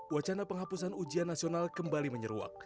wacana penghapusan ujian nasional kembali menyeruak